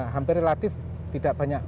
hampir relatif tidak banyak